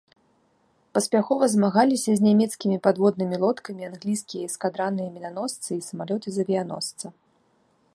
Паспяхова змагаліся з нямецкімі падводнымі лодкамі англійскія эскадраныя мінаносцы, і самалёты з авіяносца.